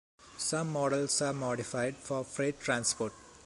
Some models are modified for freight transport.